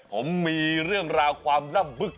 ผมมีเรื่องราวความลับบึก